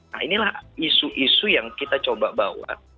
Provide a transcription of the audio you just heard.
nah inilah isu isu yang kita coba bawa